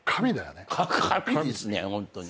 神ですねホントに。